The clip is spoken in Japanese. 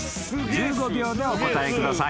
１５秒でお答えください］